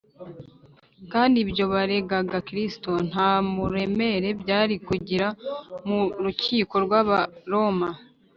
kandi ibyo baregaga Kristo nta buremere byari kugira mu rukiko rw’Abaroma.